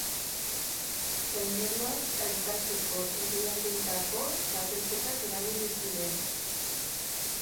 Traineruak sailkatzeko herrialdeetako txapelketak erabili ziren.